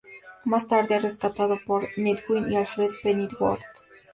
Más tarde es rescatado por Nightwing y Alfred Pennyworth.